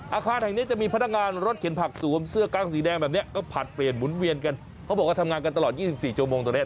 อาคารแห่งนี้จะมีพนักงานรถเข็นผักสวมเสื้อกล้างสีแดงแบบนี้ก็ผลัดเปลี่ยนหมุนเวียนกันเขาบอกว่าทำงานกันตลอด๒๔ชั่วโมงตรงเนี้ย